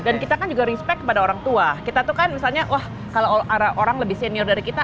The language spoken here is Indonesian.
dan kita juga respect kepada orang tua kita kan misalnya kalau orang lebih senior dari kita